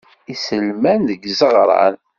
Iselman deg izeɣṛan.